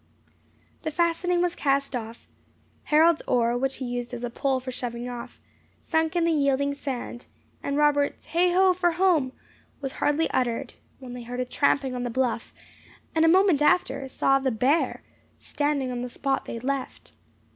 The fastening was cast off. Harold's oar, which he used as a pole for shoving off, sunk in the yielding sand, and Robert's "Heigh ho for home!" was hardly uttered, when they heard a tramping on the bluff, and a moment after saw the bear standing on the spot they had left.